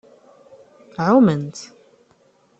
Ɛument.